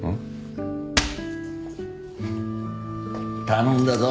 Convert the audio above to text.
頼んだぞ。